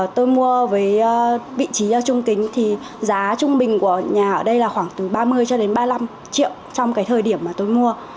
tôi mua với vị trí trung kính thì giá trung bình của nhà ở đây là khoảng từ ba mươi cho đến ba mươi năm triệu trong cái thời điểm mà tôi mua